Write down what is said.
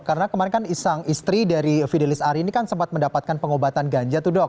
karena kemarin kan sang istri dari fidelis ari ini kan sempat mendapatkan pengobatan ganja tuh dok